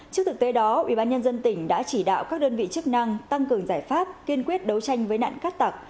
trước thực tế đó ubnd tỉnh đã chỉ đạo các đơn vị chức năng tăng cường giải pháp kiên quyết đấu tranh với nạn cát tặc